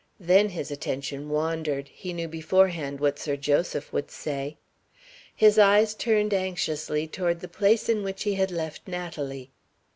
Then his attention wandered he knew beforehand what Sir Joseph would say. His eyes turned anxiously toward the place in which he had left Natalie.